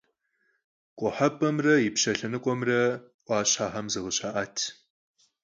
Khuhep'emre yipşe lhenıkhuemre 'Uaşhexem zıkhışa'et.